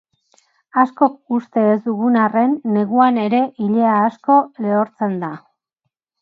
Askok uste ez dugun arren, neguan ere ilea asko lehortzen da.